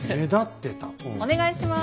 お願いします。